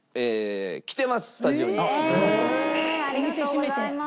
へえありがとうございます！